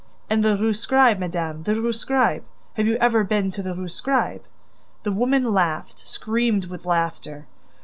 "And the Rue Scribe, madame, the Rue Scribe? Have you never been to the Rue Scribe?" The woman laughed, screamed with laughter!